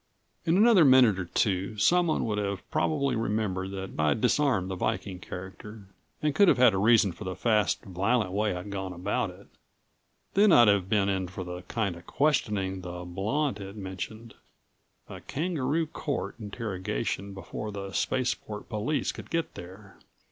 In another minute or two someone would have probably remembered that I'd disarmed the Viking character and could have had a reason for the fast violent way I'd gone about it. Then I'd have been in for the kind of questioning the blonde had mentioned a kangaroo court interrogation before the Spaceport Police could get there.